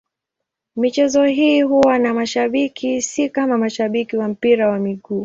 Michezo hii huwa na mashabiki, si kama mashabiki wa mpira wa miguu.